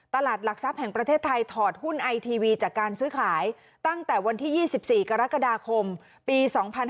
หลักทรัพย์แห่งประเทศไทยถอดหุ้นไอทีวีจากการซื้อขายตั้งแต่วันที่๒๔กรกฎาคมปี๒๕๕๙